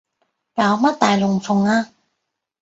搞乜大龍鳳啊